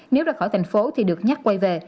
nếu ra khỏi thành phố thì được nhắc quay về